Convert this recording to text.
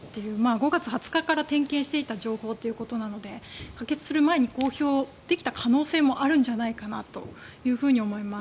５月２０日から点検していたことなので可決する前に公表できた可能性もあるんじゃないかなと思います。